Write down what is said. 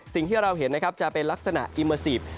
สิ่งที่เราเห็นนะครับจะเป็นลักษณะอิเมอร์ซีฟ